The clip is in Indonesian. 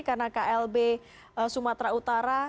karena klb sumatera utara